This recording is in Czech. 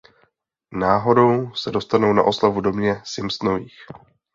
Náhodou se dostanou na oslavu v domě Simpsonových.